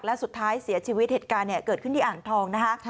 และสุดท้ายเสียชีวิตเหตุการณ์เกิดขึ้นที่อ่างทองนะคะ